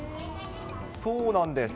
そうなんです。